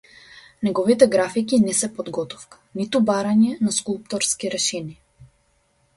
Неговите графики не се подготовка, ниту барање на скулпторски решенија.